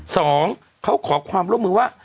สองเขาขอความร่วมมือว่า